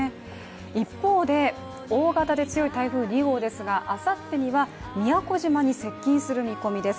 一方で、大型で強い台風２号ですがあさってには宮古島に接近する見込みです。